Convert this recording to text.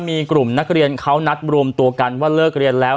มีกลุ่มนักเรียนเขานัดรวมตัวกันว่าเลิกเรียนแล้ว